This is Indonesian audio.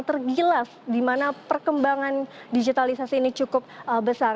tergilas di mana perkembangan digitalisasi ini cukup besar